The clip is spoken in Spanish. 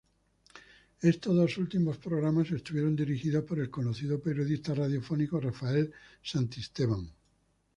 Estos dos últimos programas estuvieron dirigidos por el conocido periodista radiofónico Rafael Santisteban.